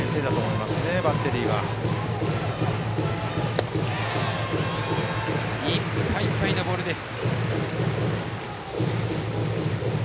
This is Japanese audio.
いっぱいいっぱいのボールです。